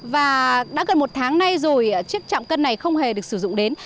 và đã gần một tháng nay rồi chiếc chạm cân này không hề được sử dụng đến